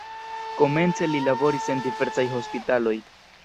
Komence li laboris en diversaj hospitaloj.